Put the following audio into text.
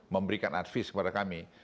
memberikan advies kepada kami